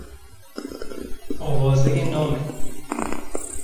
آوازهی نام او